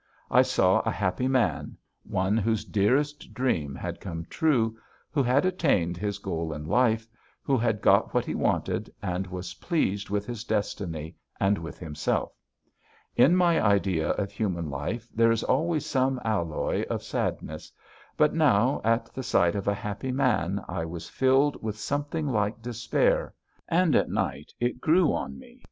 I saw a happy man, one whose dearest dream had come true, who had attained his goal in life, who had got what he wanted, and was pleased with his destiny and with himself. In my idea of human life there is always some alloy of sadness, but now at the sight of a happy man I was filled with something like despair. And at night it grew on me.